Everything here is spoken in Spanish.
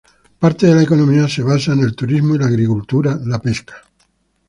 Parte de la economía se basa en el turismo y la agricultura, la pesca.